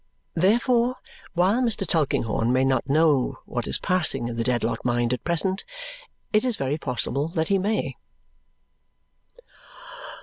Therefore, while Mr. Tulkinghorn may not know what is passing in the Dedlock mind at present, it is very possible that he may.